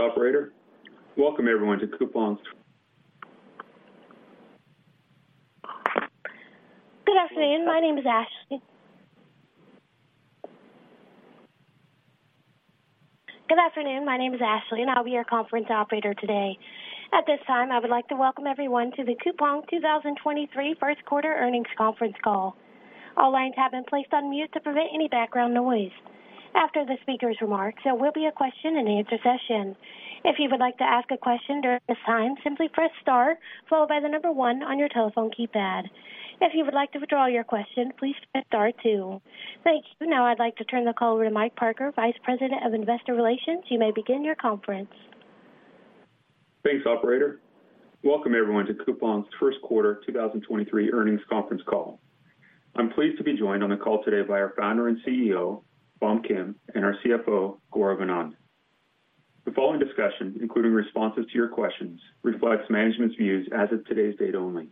Thanks, operator. Welcome everyone to Coupang's- Good afternoon. My name is Ashley. Good afternoon. My name is Ashley, and I'll be your conference operator today. At this time, I would like to welcome everyone to the Coupang 2023 1st quarter earnings conference call. All lines have been placed on mute to prevent any background noise. After the speaker's remarks, there will be a question and answer session. If you would like to ask a question during this time, simply press star one on your telephone keypad. If you would like to withdraw your question, please press star two. Thank you. I'd like to turn the call over to Mike Parker, Vice President of Investor Relations. You may begin your conference. Thanks, operator. Welcome everyone to Coupang's first quarter 2023 earnings conference call. I'm pleased to be joined on the call today by our Founder and CEO, Bom Kim, and our CFO, Gaurav Anand. The following discussion, including responses to your questions, reflects management's views as of today's date only.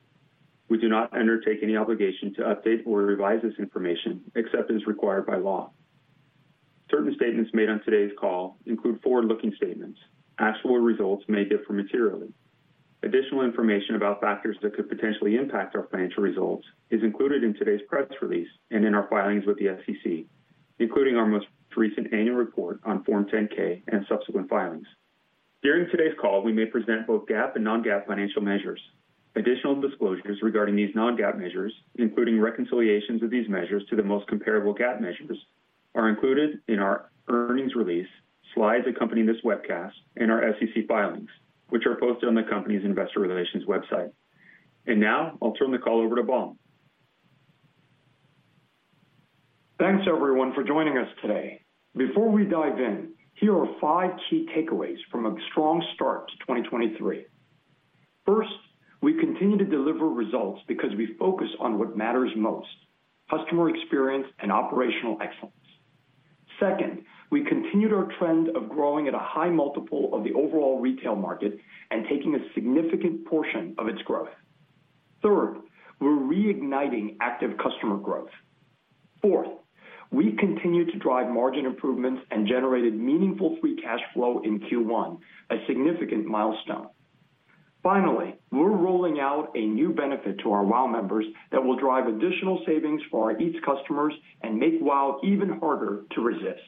We do not undertake any obligation to update or revise this information except as required by law. Certain statements made on today's call include forward-looking statements. Actual results may differ materially. Additional information about factors that could potentially impact our financial results is included in today's press release and in our filings with the SEC, including our most recent annual report on Form 10-K and subsequent filings. During today's call, we may present both GAAP and non-GAAP financial measures. Additional disclosures regarding these non-GAAP measures, including reconciliations of these measures to the most comparable GAAP measures, are included in our earnings release, slides accompanying this webcast, and our SEC filings, which are posted on the company's investor relations website. Now I'll turn the call over to Bom. Thanks, everyone, for joining us today. Before we dive in, here are five key takeaways from a strong start to 2023. First, we continue to deliver results because we focus on what matters most, customer experience and operational excellence. Second, we continued our trend of growing at a high multiple of the overall retail market and taking a significant portion of its growth. Third, we're reigniting active customer growth. Fourth, we continue to drive margin improvements and generated meaningful free cash flow in Q1, a significant milestone. Finally, we're rolling out a new benefit to our WOW members that will drive additional savings for our Eats customers and make WOW even harder to resist.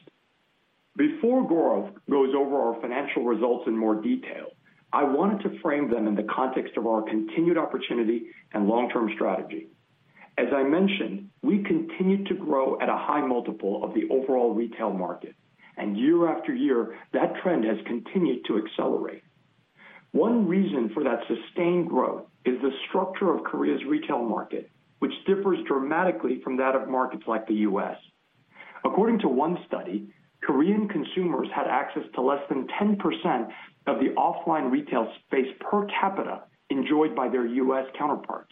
Before Gaurav goes over our financial results in more detail, I wanted to frame them in the context of our continued opportunity and long-term strategy. As I mentioned, we continue to grow at a high multiple of the overall retail market, and year after year, that trend has continued to accelerate. One reason for that sustained growth is the structure of Korea's retail market, which differs dramatically from that of markets like the U.S. According to one study, Korean consumers had access to less than 10% of the offline retail space per capita enjoyed by their U.S. counterparts.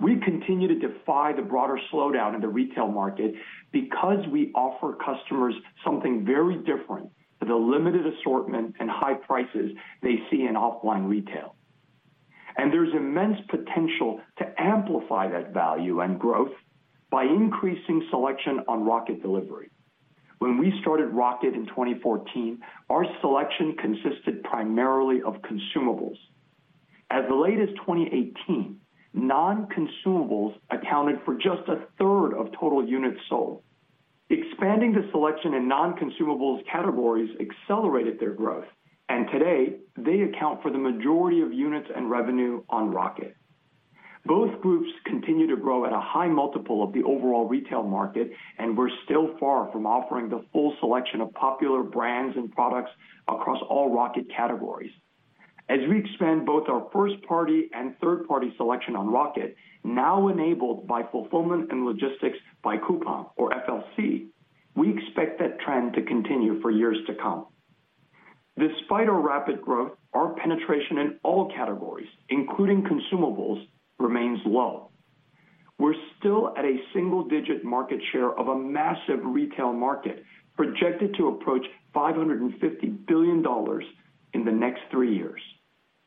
We continue to defy the broader slowdown in the retail market because we offer customers something very different to the limited assortment and high prices they see in offline retail. There's immense potential to amplify that value and growth by increasing selection on Rocket Delivery. When we started Rocket in 2014, our selection consisted primarily of consumables. As late as 2018, non-consumables accounted for just a third of total units sold. Expanding the selection in non-consumables categories accelerated their growth, and today they account for the majority of units and revenue on Rocket. Both groups continue to grow at a high multiple of the overall retail market, and we're still far from offering the full selection of popular brands and products across all Rocket categories. As we expand both our first-party and third-party selection on Rocket, now enabled by fulfillment and logistics by Coupang or FLC, we expect that trend to continue for years to come. Despite our rapid growth, our penetration in all categories, including consumables, remains low. We're still at a single-digit market share of a massive retail market projected to approach $550 billion in the next three years.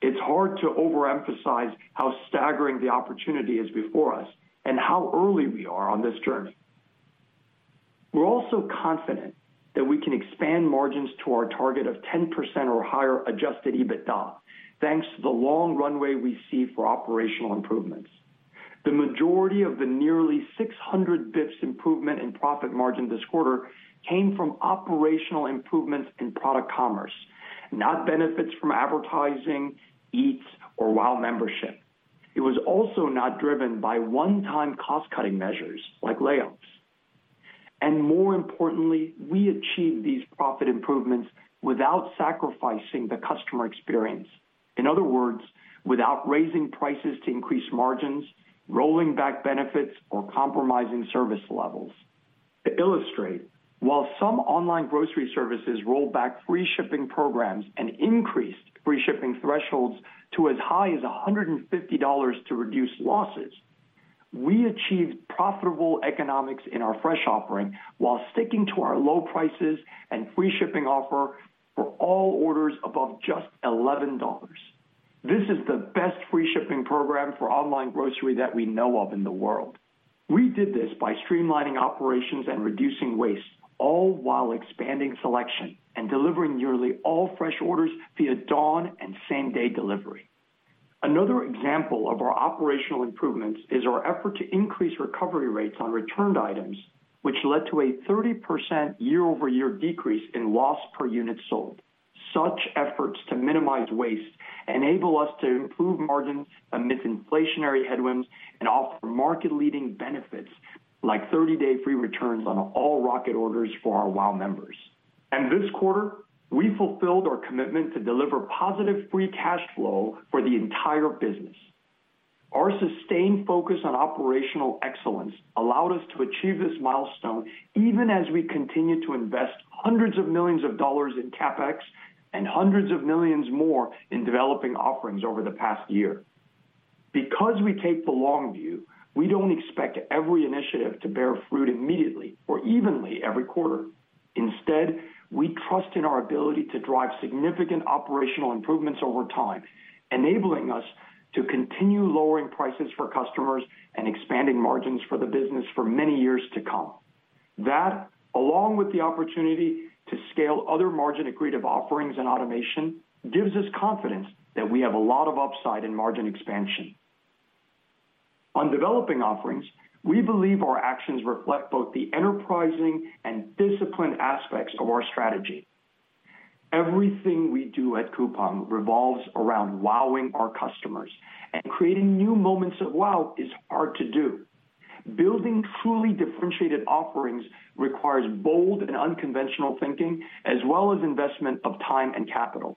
It's hard to overemphasize how staggering the opportunity is before us and how early we are on this journey. We're also confident that we can expand margins to our target of 10% or higher adjusted EBITDA, thanks to the long runway we see for operational improvements. The majority of the nearly 600 BPS improvement in profit margin this quarter came from operational improvements in Product Commerce, not benefits from advertising, Eats or WOW membership. It was also not driven by one-time cost-cutting measures like layoffs. More importantly, we achieved these profit improvements without sacrificing the customer experience. In other words, without raising prices to increase margins, rolling back benefits or compromising service levels. To illustrate, while some online grocery services rolled back free shipping programs and increased free shipping thresholds to as high as $150 to reduce losses, we achieved profitable economics in our Fresh offering while sticking to our low prices and free shipping offer for all orders above just $11. This is the best free shipping program for online grocery that we know of in the world. We did this by streamlining operations and reducing waste, all while expanding selection and delivering nearly all Fresh orders via dawn and same-day delivery. Another example of our operational improvements is our effort to increase recovery rates on returned items, which led to a 30% year-over-year decrease in loss per unit sold. Such efforts to minimize waste enable us to improve margins amidst inflationary headwinds and offer market-leading benefits like 30-day free returns on all Rocket orders for our WOW members. This quarter, we fulfilled our commitment to deliver positive free cash flow for the entire business. Our sustained focus on operational excellence allowed us to achieve this milestone even as we continued to invest hundreds of millions of dollars in CapEx and hundreds of millions more in Developing Offerings over the past year. We take the long view, we don't expect every initiative to bear fruit immediately or evenly every quarter. Instead, we trust in our ability to drive significant operational improvements over time, enabling us to continue lowering prices for customers and expanding margins for the business for many years to come. That, along with the opportunity to scale other margin-accretive offerings and automation, gives us confidence that we have a lot of upside in margin expansion. On Developing Offerings, we believe our actions reflect both the enterprising and disciplined aspects of our strategy. Everything we do at Coupang revolves around wowing our customers, and creating new moments of WOW is hard to do. Building truly differentiated offerings requires bold and unconventional thinking as well as investment of time and capital.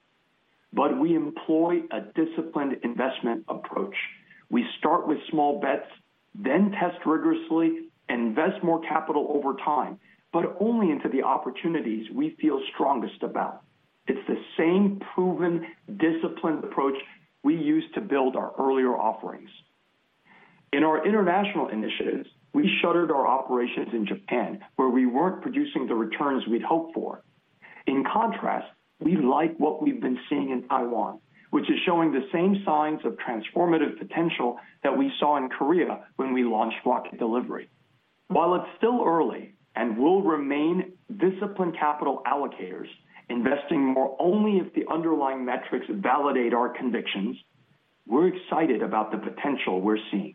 We employ a disciplined investment approach. We start with small bets, then test rigorously, invest more capital over time, but only into the opportunities we feel strongest about. It's the same proven, disciplined approach we used to build our earlier offerings. In our international initiatives, we shuttered our operations in Japan, where we weren't producing the returns we'd hoped for. In contrast, we like what we've been seeing in Taiwan, which is showing the same signs of transformative potential that we saw in Korea when we launched Rocket Delivery. While it's still early and we'll remain disciplined capital allocators, investing more only if the underlying metrics validate our convictions, we're excited about the potential we're seeing.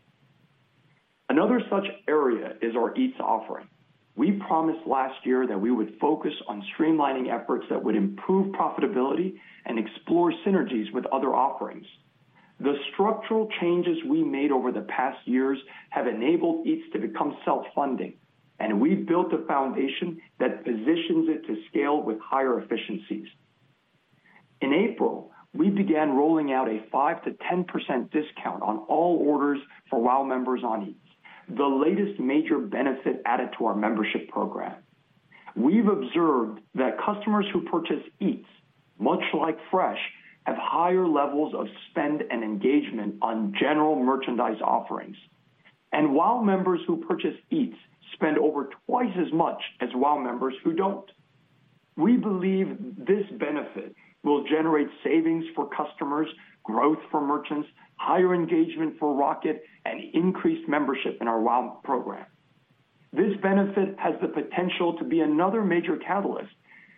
Another such area is our Eats offering. We promised last year that we would focus on streamlining efforts that would improve profitability and explore synergies with other offerings. The structural changes we made over the past years have enabled Eats to become self-funding, and we've built a foundation that positions it to scale with higher efficiencies. In April, we began rolling out a 5%-10% discount on all orders for WOW members on Eats, the latest major benefit added to our membership program. We've observed that customers who purchase Eats, much like Fresh, have higher levels of spend and engagement on general merchandise offerings, and WOW members who purchase Eats spend over twice as much as WOW members who don't. We believe this benefit will generate savings for customers, growth for merchants, higher engagement for Rocket, and increased membership in our WOW program. This benefit has the potential to be another major catalyst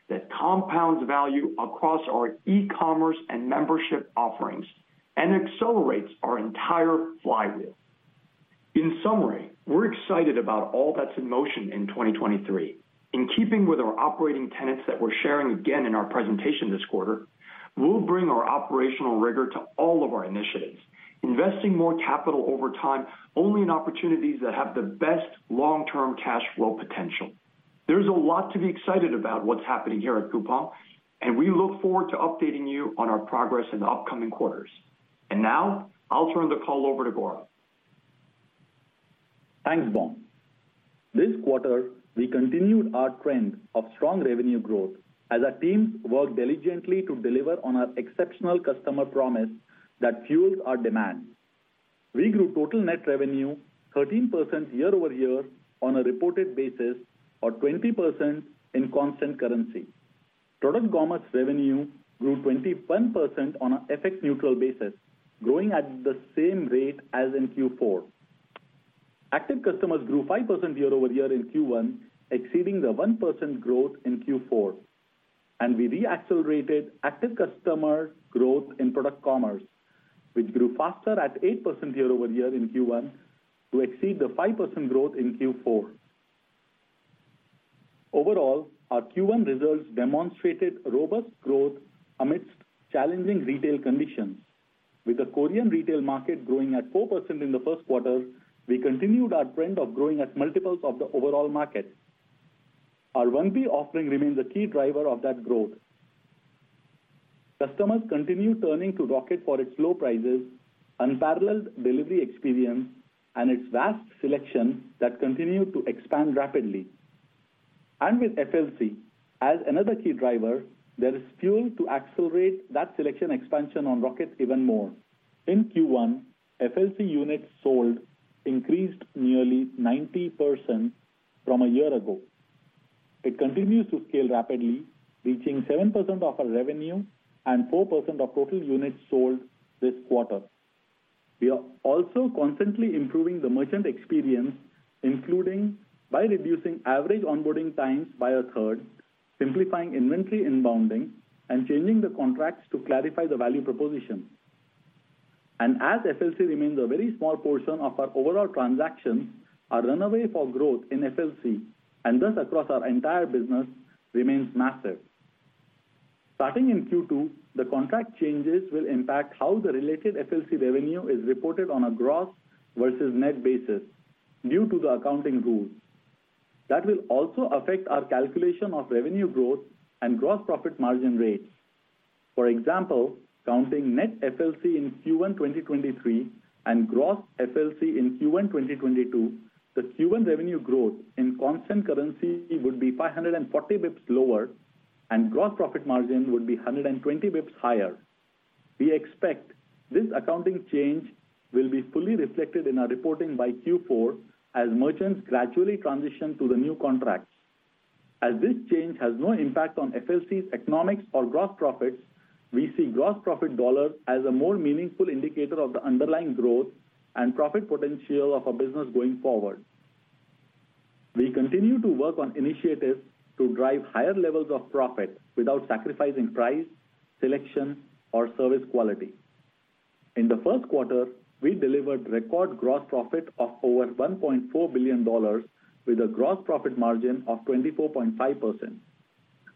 that compounds value across our e-commerce and membership offerings and accelerates our entire flywheel. In summary, we're excited about all that's in motion in 2023. In keeping with our operating tenets that we're sharing again in our presentation this quarter, we'll bring our operational rigor to all of our initiatives, investing more capital over time only in opportunities that have the best long-term cash flow potential. There's a lot to be excited about what's happening here at Coupang, and we look forward to updating you on our progress in the upcoming quarters. Now I'll turn the call over to Gaurav. Thanks, Bom. This quarter, we continued our trend of strong revenue growth as our teams worked diligently to deliver on our exceptional customer promise that fuels our demand. We grew total net revenue 13% year-over-year on a reported basis or 20% in constant currency. Product Commerce revenue grew 21% on a FX-neutral basis, growing at the same rate as in Q4. Active customers grew 5% year-over-year in Q1, exceeding the 1% growth in Q4. We re-accelerated active customer growth in Product Commerce, which grew faster at 8% year-over-year in Q1 to exceed the 5% growth in Q4. Overall, our Q1 results demonstrated robust growth amidst challenging retail conditions. With the Korean retail market growing at 4% in the first quarter, we continued our trend of growing at multiples of the overall market. Our 1P offering remains a key driver of that growth. Customers continue turning to Rocket for its low prices, unparalleled delivery experience, and its vast selection that continue to expand rapidly. With FLC as another key driver, there is fuel to accelerate that selection expansion on Rocket even more. In Q1, FLC units sold increased nearly 90% from a year ago. It continues to scale rapidly, reaching 7% of our revenue and 4% of total units sold this quarter. We are also constantly improving the merchant experience, including by reducing average onboarding times by a third, simplifying inventory inbounding, and changing the contracts to clarify the value proposition. As FLC remains a very small portion of our overall transactions, our run away for growth in FLC, and thus across our entire business, remains massive. Starting in Q2, the contract changes will impact how the related FLC revenue is reported on a gross versus net basis due to the accounting rules. That will also affect our calculation of revenue growth and gross profit margin rates. For example, counting net FLC in Q1 2023 and gross FLC in Q1 2022, the Q1 revenue growth in constant currency would be 540 BPS lower and gross profit margin would be 120 BPS higher. We expect this accounting change will be fully reflected in our reporting by Q4 as merchants gradually transition to the new contracts. As this change has no impact on FLC's economics or gross profits, we see gross profit dollars as a more meaningful indicator of the underlying growth and profit potential of our business going forward. We continue to work on initiatives to drive higher levels of profit without sacrificing price, selection, or service quality. In the first quarter, we delivered record gross profit of over $1.4 billion with a gross profit margin of 24.5%.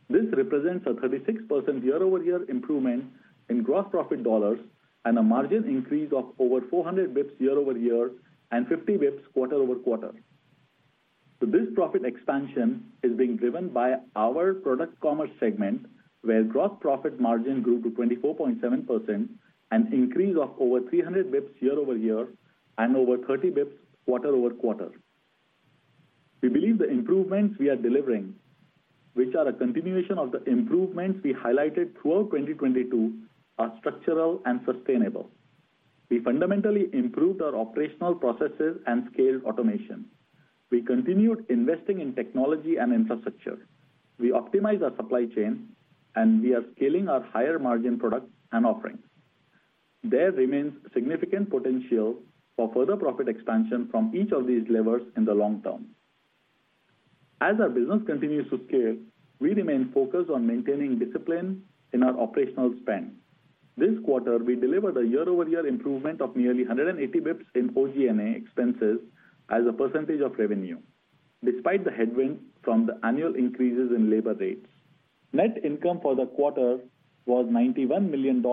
This represents a 36% year-over-year improvement in gross profit dollars and a margin increase of over 400 BPS year-over-year and 50 BPS quarter-over-quarter. This profit expansion is being driven by our Product Commerce segment, where gross profit margin grew to 24.7%, an increase of over 300 BPS year-over-year and over 30 BPS quarter-over-quarter. We believe the improvements we are delivering, which are a continuation of the improvements we highlighted throughout 2022, are structural and sustainable. We fundamentally improved our operational processes and scaled automation. We continued investing in technology and infrastructure. We optimized our supply chain, and we are scaling our higher margin products and offerings. There remains significant potential for further profit expansion from each of these levers in the long term. As our business continues to scale, we remain focused on maintaining discipline in our operational spend. This quarter, we delivered a year-over-year improvement of nearly 180 BPS in OG&A expenses as a percentage of revenue despite the headwind from the annual increases in labor rates. Net income for the quarter was $91 million,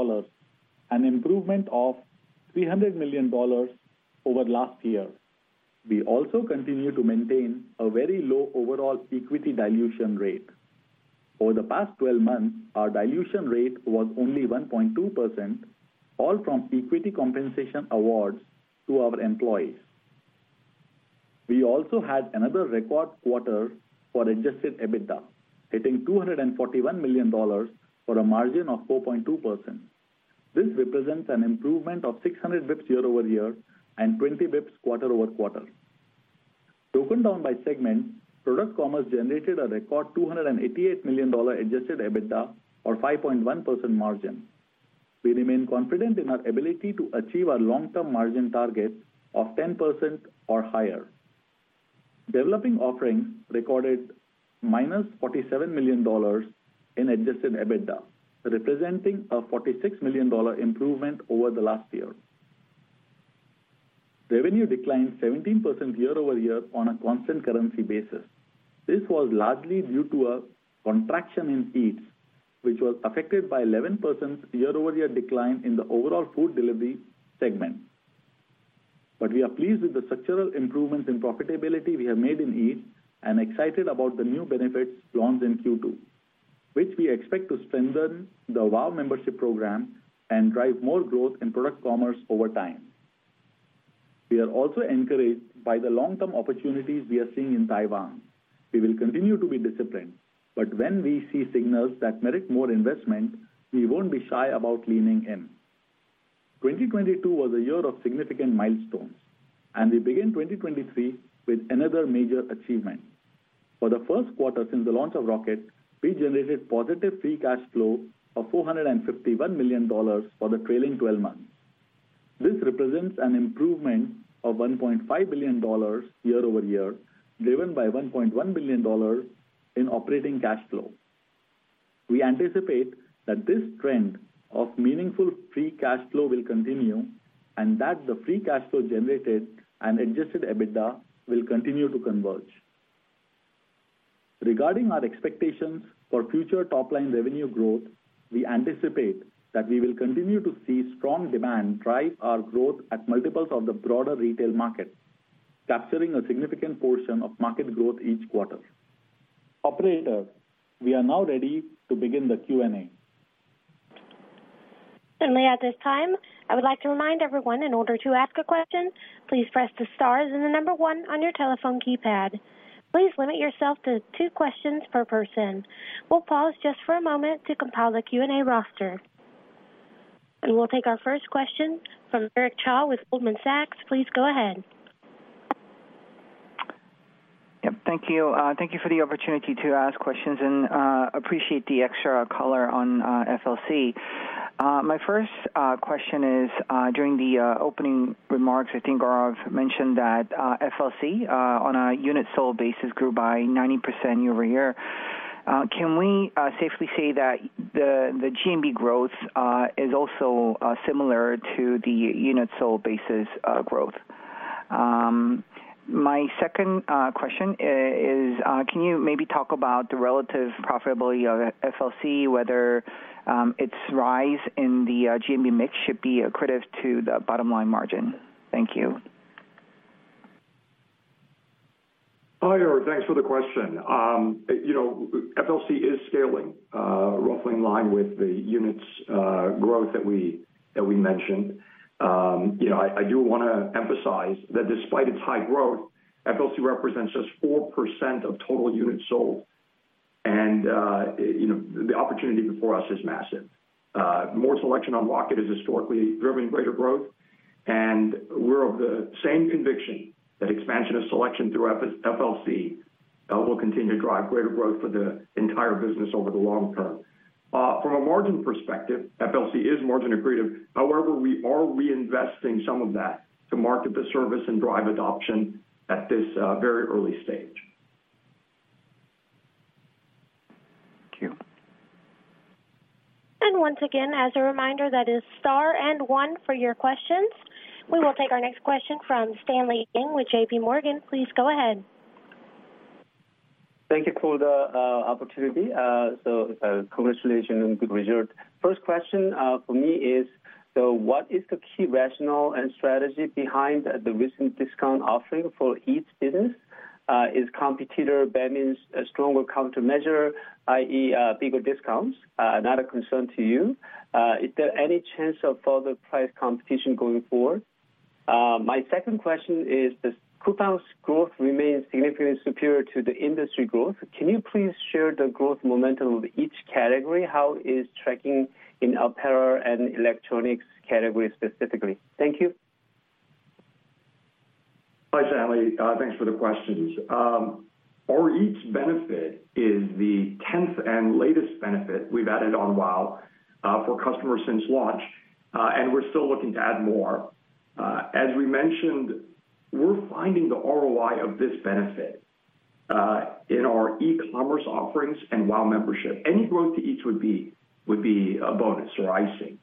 an improvement of $300 million over last year. We also continue to maintain a very low overall equity dilution rate. Over the past 12 months, our dilution rate was only 1.2%, all from equity compensation awards to our employees. We also had another record quarter for adjusted EBITDA, hitting $241 million for a margin of 4.2%. This represents an improvement of 600 BPS year-over-year and 20 BPS quarter-over-quarter. Broken down by segment, Product Commerce generated a record $288 million adjusted EBITDA or 5.1% margin. We remain confident in our ability to achieve our long-term margin target of 10% or higher. Developing Offerings recorded -$47 million in adjusted EBITDA, representing a $46 million improvement over the last year. Revenue declined 17% year-over-year on a constant currency basis. This was largely due to a contraction in Eats, which was affected by 11% year-over-year decline in the overall food delivery segment. We are pleased with the structural improvements in profitability we have made in Eats and excited about the new benefits launched in Q2, which we expect to strengthen the WOW membership program and drive more growth in Product Commerce over time. We are also encouraged by the long-term opportunities we are seeing in Taiwan. We will continue to be disciplined, but when we see signals that merit more investment, we won't be shy about leaning in. 2022 was a year of significant milestones, and we begin 2023 with another major achievement. For the first quarter since the launch of Rocket, we generated positive free cash flow of $451 million for the trailing twelve months. This represents an improvement of $1.5 billion year-over-year, driven by $1.1 billion in operating cash flow. We anticipate that this trend of meaningful free cash flow will continue and that the free cash flow generated and adjusted EBITDA will continue to converge. Regarding our expectations for future top-line revenue growth, we anticipate that we will continue to see strong demand drive our growth at multiples of the broader retail market, capturing a significant portion of market growth each quarter. Operator, we are now ready to begin the Q&A. Certainly. At this time, I would like to remind everyone in order to ask a question, please press the star then the one on your telephone keypad. Please limit yourself to two questions per person. We'll pause just for a moment to compile the Q&A roster. We'll take our first question from Eric Cha with Goldman Sachs. Please go ahead. Yep, thank you. Thank you for the opportunity to ask questions and appreciate the extra color on FLC. My first question is, during the opening remarks, I think Gaurav mentioned that FLC on a unit sold basis grew by 90% year-over-year. Can we safely say that the GMV growth is also similar to the unit sold basis growth? My second question is, can you maybe talk about the relative profitability of FLC, whether its rise in the GMV mix should be accretive to the bottom line margin? Thank you. Hi, Eric. Thanks for the question. You know, FLC is scaling roughly in line with the units growth that we mentioned. I do wanna emphasize that despite its high growth, FLC represents just 4% of total units sold. You know, the opportunity before us is massive. More selection on market is historically driven greater growth, and we're of the same conviction that expansion of selection through FLC will continue to drive greater growth for the entire business over the long term. From a margin perspective, FLC is margin accretive. However, we are reinvesting some of that to market the service and drive adoption at this very early stage. Thank you. Once again, as a reminder, that is star and one for your questions. We will take our next question from Stanley Yang with JPMorgan. Please go ahead. Thank you for the opportunity. Congratulations on good result. First question for me is what is the key rationale and strategy behind the recent discount offering for Eats business? Is competitor that means a stronger countermeasure, i.e., bigger discounts, not a concern to you? Is there any chance of further price competition going forward? My second question is does Coupang's growth remain significantly superior to the industry growth? Can you please share the growth momentum of each category? How is tracking in apparel and electronics category specifically? Thank you. Hi, Stanley. Thanks for the questions. Our Eats benefit is the tenth and latest benefit we've added on WOW, for customers since launch, we're still looking to add more. As we mentioned, we're finding the ROI of this benefit, in our e-commerce offerings and WOW membership. Any growth to Eats would be a bonus or icing.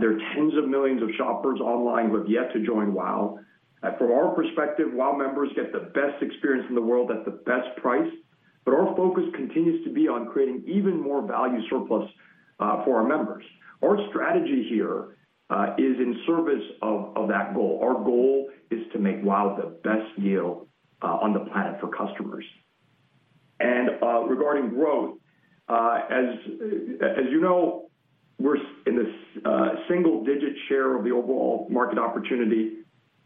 There are tens of millions of shoppers online who have yet to join WOW. From our perspective, WOW members get the best experience in the world at the best price, our focus continues to be on creating even more value surplus, for our members. Our strategy here, is in service of that goal. Our goal is to make WOW the best deal, on the planet for customers. Regarding growth, as you know, we're in this single-digit share of the overall market opportunity.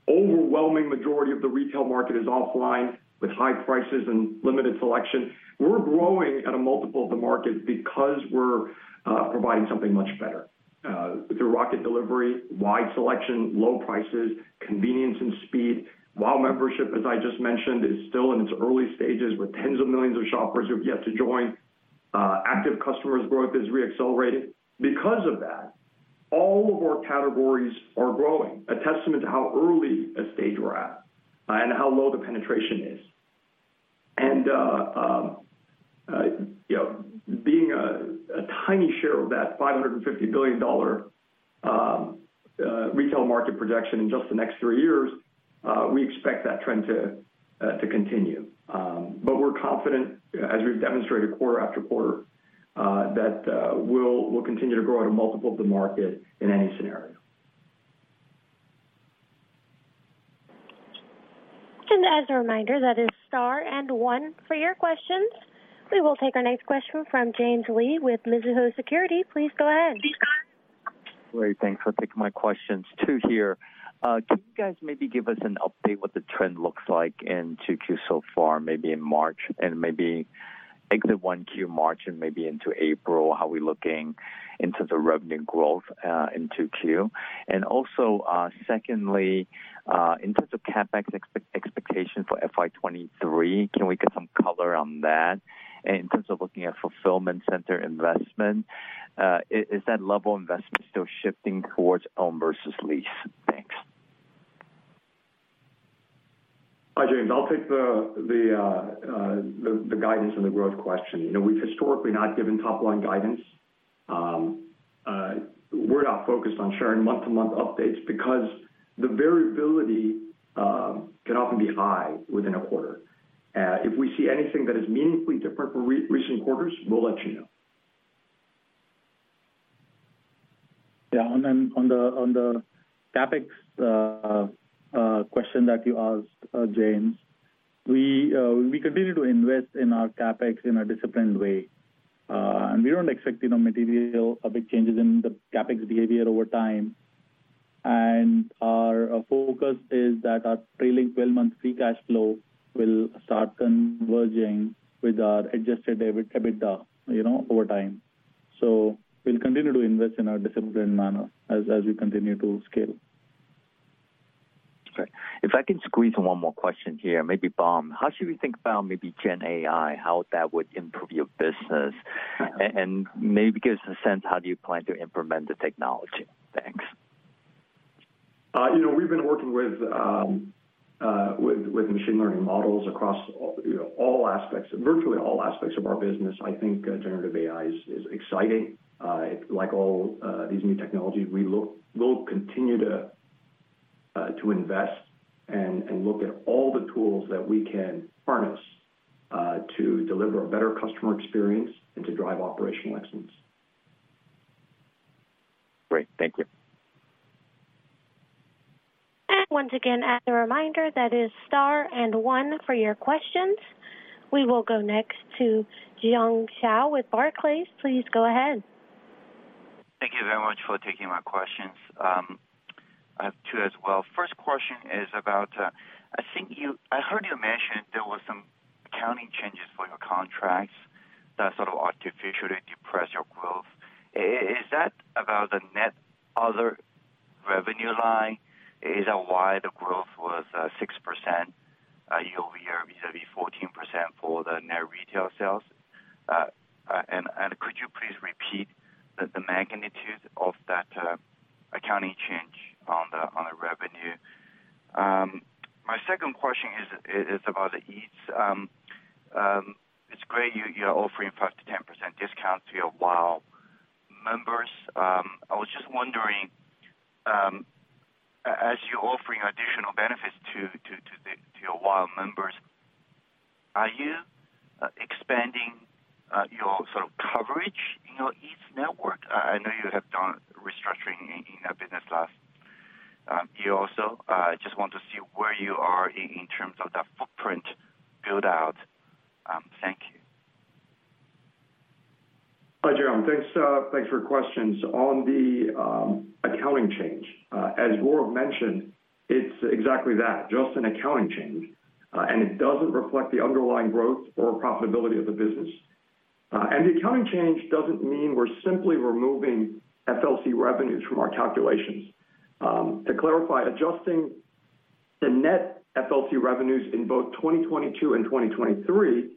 Overwhelming majority of the retail market is offline with high prices and limited selection. We're growing at a multiple of the market because we're providing something much better through Rocket Delivery, wide selection, low prices, convenience, and speed. WOW membership, as I just mentioned, is still in its early stages with tens of millions of shoppers who have yet to join. Active customers growth is re-accelerating. Because of that, all of our categories are growing, a testament to how early a stage we're at, and how low the penetration is. You know, being a tiny share of that $550 billion retail market projection in just the next three years, we expect that trend to continue. We're confident as we've demonstrated quarter after quarter, that we'll continue to grow at a multiple of the market in any scenario. As a reminder, that is star and one for your questions. We will take our next question from James Lee with Mizuho Securities. Please go ahead. Great. Thanks. I'll take my questions too here. Can you guys maybe give us an update what the trend looks like in 2Q so far, maybe in March and maybe exit 1Q March and maybe into April? How we looking in terms of revenue growth in 2Q? Secondly, in terms of CapEx expectation for FY 2023, can we get some color on that? In terms of looking at fulfillment center investment, is that level investment still shifting towards own versus lease? Thanks. Hi, James. I'll take the guidance and the growth question. You know, we've historically not given top line guidance. We're not focused on sharing month-to-month updates because the variability can often be high within a quarter. If we see anything that is meaningfully different from recent quarters, we'll let you know. Yeah. On the, on the CapEx question that you asked, James, we continue to invest in our CapEx in a disciplined way. We don't expect, you know, material or big changes in the CapEx behavior over time. Our focus is that our trailing twelve months free cash flow will start converging with our adjusted EBITDA, you know, over time. We'll continue to invest in our disciplined manner as we continue to scale. Okay. If I can squeeze one more question here, maybe Bom. How should we think about maybe Gen AI, how that would improve your business? Maybe give us a sense, how do you plan to implement the technology? Thanks. You know, we've been working with machine learning models across all, you know, all aspects of virtually all aspects of our business. I think generative AI is exciting. Like all these new technologies, we'll continue to invest and look at all the tools that we can harness to deliver a better customer experience and to drive operational excellence. Great. Thank you. Once again, as a reminder, that is star and one for your questions. We will go next to Jiong Shao with Barclays. Please go ahead. Thank you very much for taking my questions. I have two as well. First question is about, I heard you mention there was some accounting changes for your contracts that sort of artificially depress your growth. Is that about the net other revenue line? Is that why the growth was 6% year-over-year vis-a-vis 14% for the net retail sales? Could you please repeat the magnitude of that accounting change on the revenue? My second question is about the Eats. It's great you're offering 5%-10% discount to your WOW members. I was just wondering, as you're offering additional benefits to your WOW members, are you expanding your sort of coverage in your Eats network? I know you have done restructuring in that business last year also. Just want to see where you are in terms of the footprint build out. Thank you. Hi, Jiong. Thanks, thanks for your questions. On the accounting change, as Gaurav mentioned, it's exactly that, just an accounting change, and it doesn't reflect the underlying growth or profitability of the business. The accounting change doesn't mean we're simply removing FLC revenues from our calculations. To clarify, adjusting the net FLC revenues in both 2022 and 2023,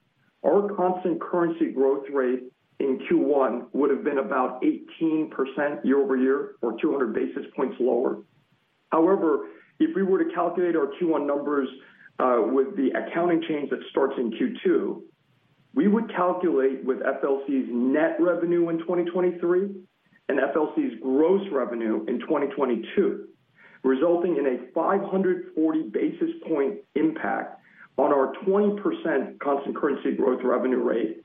our constant currency growth rate in Q1 would have been about 18% year-over-year or 200 basis points lower. However, if we were to calculate our Q1 numbers with the accounting change that starts in Q2, we would calculate with FLC's net revenue in 2023 and FLC's gross revenue in 2022, resulting in a 540 basis point impact on our 20% constant currency growth revenue rate,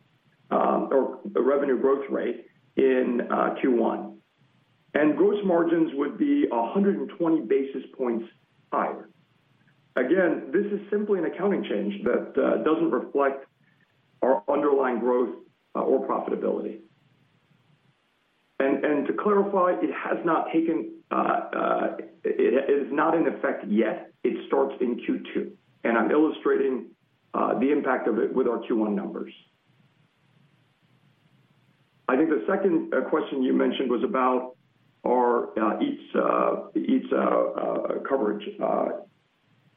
or revenue growth rate in Q1. Gross margins would be 120 basis points higher. Again, this is simply an accounting change that doesn't reflect our underlying growth or profitability. To clarify, it has not taken, it is not in effect yet. It starts in Q2, and I'm illustrating the impact of it with our Q1 numbers. I think the second question you mentioned was about our Eats coverage.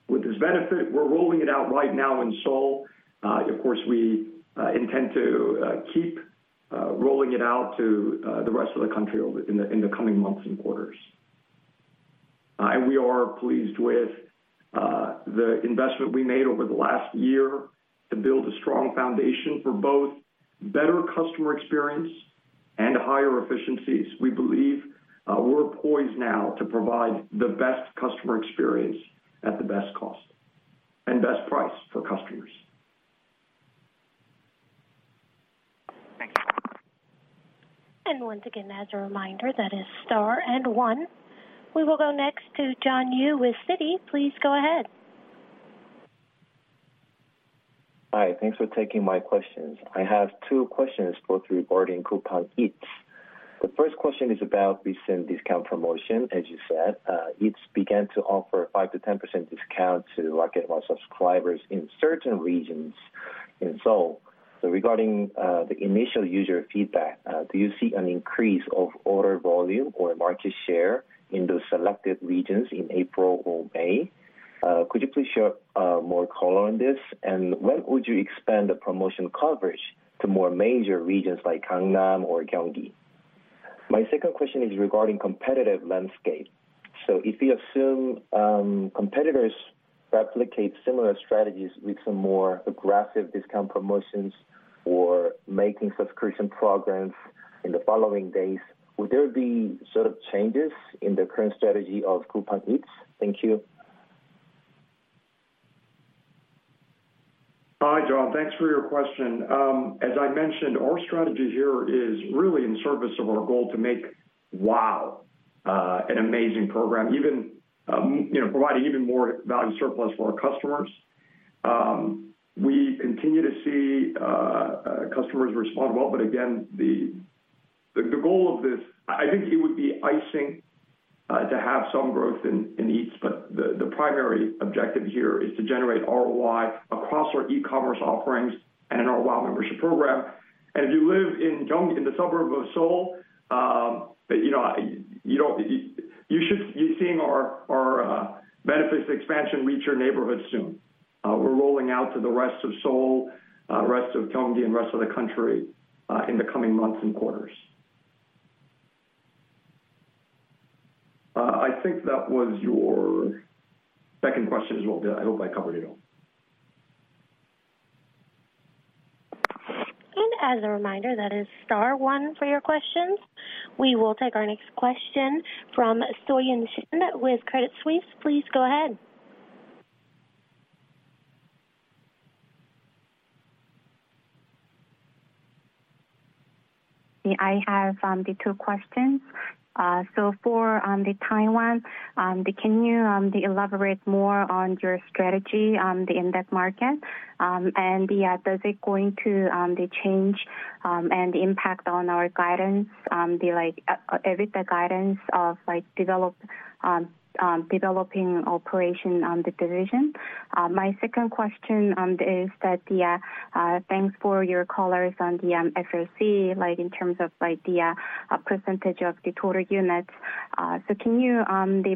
With this benefit, we're rolling it out right now in Seoul. Of course, we intend to keep rolling it out to the rest of the country over, in the, in the coming months and quarters. We are pleased with the investment we made over the last year to build a strong foundation for both better customer experience and higher efficiencies. We believe we're poised now to provide the best customer experience at the best cost and best price for customers. Thanks. Once again, as a reminder, that is star and one. We will go next to John Yu with Citi. Please go ahead. Hi. Thanks for taking my questions. I have two questions both regarding Coupang Eats. The first question is about recent discount promotion. As you said, Eats began to offer 5%-10% discount to Rocket WOW subscribers in certain regions in Seoul. Regarding the initial user feedback, do you see an increase of order volume or market share in those selected regions in April or May? Could you please share more color on this? When would you expand the promotion coverage to more major regions like Gangnam or Gyeonggi? My second question is regarding competitive landscape. If you assume competitors replicate similar strategies with some more aggressive discount promotions or making subscription programs in the following days, would there be sort of changes in the current strategy of Coupang Eats? Thank you. Hi, John. Thanks for your question. As I mentioned, our strategy here is really in service of our goal to make WOW, an amazing program, even, you know, providing even more value surplus for our customers. We continue to see customers respond well, but again, the goal of this. I think it would be icing to have some growth in Eats, but the primary objective here is to generate ROI across our e-commerce offerings and our WOW membership program. If you live in Gyeonggi, in the suburb of Seoul, you know, you don't. You should be seeing our benefits expansion reach your neighborhood soon. We're rolling out to the rest of Seoul, rest of Gyeonggi and rest of the country in the coming months and quarters. I think that was your second question as well. I hope I covered it all. As a reminder, that is star one for your questions. We will take our next question from Soyun Shin with Credit Suisse. Please go ahead. Yeah, I have the two questions. For the Taiwan, can you elaborate more on your strategy on the indie market? Yeah, does it going to the change and impact on our guidance, like EBITDA guidance of like, Developing Offerings on the division? My second question is that thanks for your colors on the FLC, like in terms of like the percentage of the total units. Can you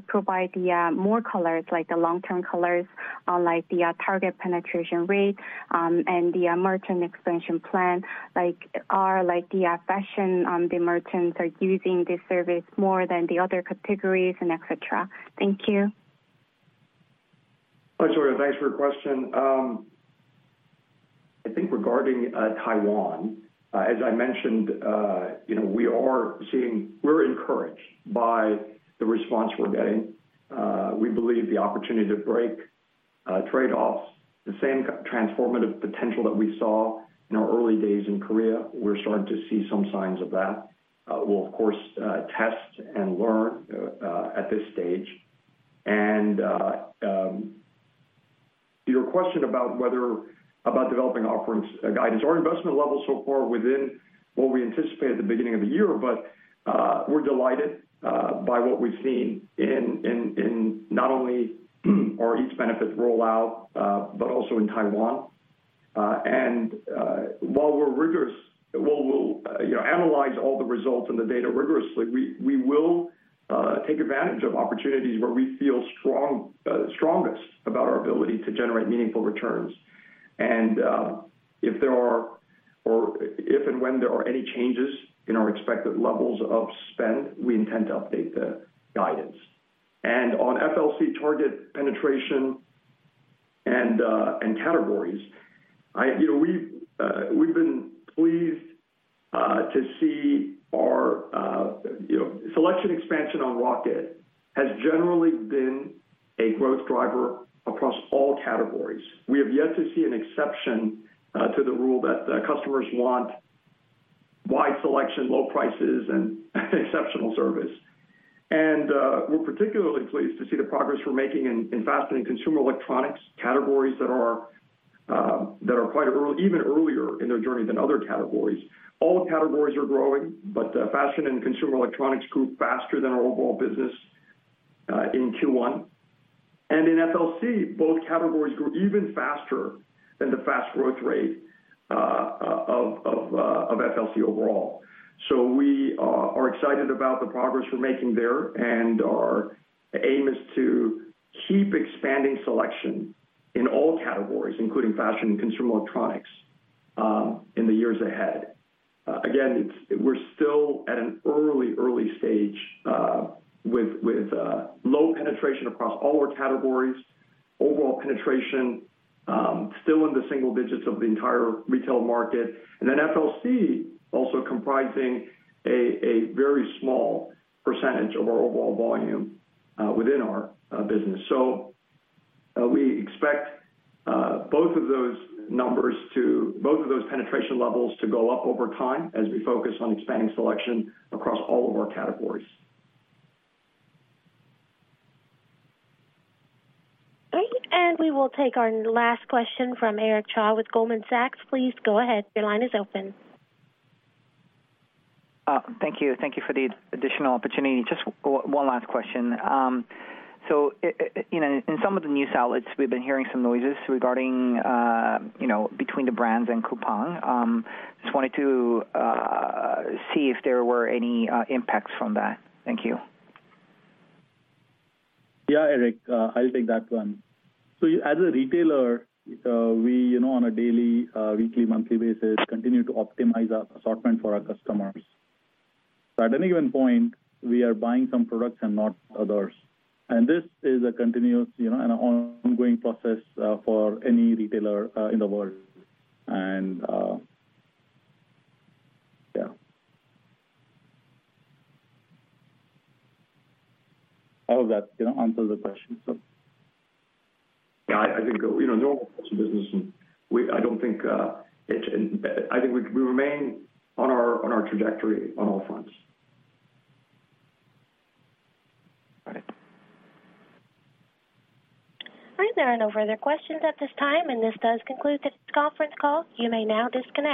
provide the more colors, like the long-term colors on like the target penetration rate and the merchant expansion plan? Like, are like the fashion merchants are using this service more than the other categories and et cetera? Thank you. Hi, Soyun. Thanks for your question. I think regarding Taiwan, as I mentioned, you know, We're encouraged by the response we're getting. We believe the opportunity to break trade-offs, the same transformative potential that we saw in our early days in Korea, we're starting to see some signs of that. We'll of course, test and learn at this stage. Your question about Developing Offerings guidance. Our investment levels so far are within what we anticipated at the beginning of the year, but we're delighted by what we've seen in not only our Eats benefits rollout, but also in Taiwan. While we're rigorous, while we'll, you know, analyze all the results and the data rigorously, we will take advantage of opportunities where we feel strongest about our ability to generate meaningful returns. If there are, or if and when there are any changes in our expected levels of spend, we intend to update the guidance. On FLC target penetration and categories, you know, we've been pleased to see our, you know, selection expansion on Rocket has generally been a growth driver across all categories. We have yet to see an exception to the rule that customers want wide selection, low prices, and exceptional service. We're particularly pleased to see the progress we're making in fashion and consumer electronics categories that are quite even earlier in their journey than other categories. All categories are growing, but fashion and consumer electronics grew faster than our overall business in Q1. In FLC, both categories grew even faster than the fast growth rate of FLC overall. We are excited about the progress we're making there, and our aim is to keep expanding selection in all categories, including fashion and consumer electronics in the years ahead. Again, we're still at an early stage with low penetration across all our categories. Overall penetration still in the single digits of the entire retail market. FLC also comprising a very small % of our overall volume within our business. We expect both of those penetration levels to go up over time as we focus on expanding selection across all of our categories. Great. We will take our last question from Eric Cha with Goldman Sachs. Please go ahead. Your line is open. Thank you. Thank you for the additional opportunity. Just one last question. You know, in some of the new sale, we've been hearing some noises regarding, you know, between the brands and Coupang. Just wanted to see if there were any impacts from that. Thank you. Yeah, Eric, I'll take that one. As a retailer, we, you know, on a daily, weekly, monthly basis, continue to optimize our assortment for our customers. At any given point, we are buying some products and not others. This is a continuous, you know, and an ongoing process for any retailer in the world. Yeah. I hope that, you know, answers the question. I think, you know, normal course of business and I don't think I think we remain on our trajectory on all fronts. Got it. All right. There are no further questions at this time. This does conclude this conference call. You may now disconnect.